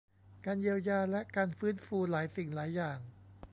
การเยียวยาและการฟื้นฟูหลายสิ่งหลายอย่าง